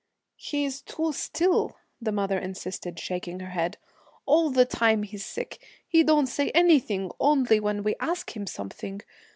'He's too still,' the mother insisted, shaking her head. 'All the time he's sick, he don't say anything, only when we ask him something.